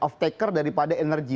off taker daripada energy